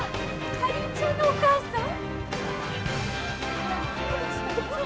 かりんちゃんのお母さん？